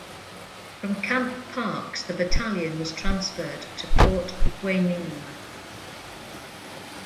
From Camp Parks the battalion was transferred to Port Hueneme.